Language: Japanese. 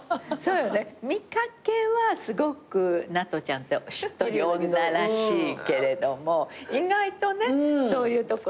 見掛けはすごくなとちゃんってしっとり女らしいけれども意外とねそういうところ。